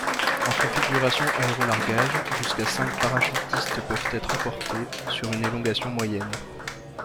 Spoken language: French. En configuration aérolargage, jusqu'à cinq parachutistes peuvent être emportés, sur une élongation moyenne.